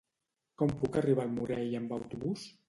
Com puc arribar al Morell amb autobús?